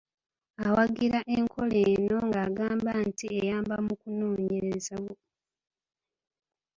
Awagira enkola eno ng’agamba nti eyamba mu kunoonyereza.